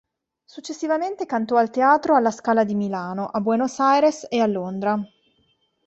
Successivamente cantò al Teatro alla Scala di Milano, a Buenos Aires e a Londra.